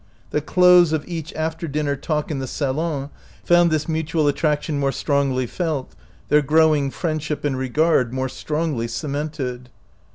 The close of each after dinner talk in the salon found this mutual attraction more strongly felt, their growing friendship and regard more strongly cemented.